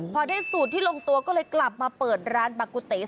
พอได้สูตรที่ลงตัวก็เลยกลับมาเปิดร้านปกติ